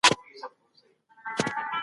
ملتونه د نړیوال عدالت لپاره څه وړاندیز کوي؟